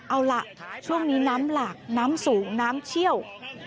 เอาล่ะช่วงนี้น้ำหลากน้ำสูงน้ำเชี่ยว